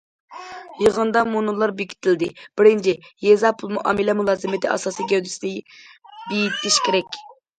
يىغىندا مۇنۇلار بېكىتىلدى: بىرىنچى، يېزا پۇل مۇئامىلە مۇلازىمىتى ئاساسىي گەۋدىسىنى بېيىتىش كېرەك.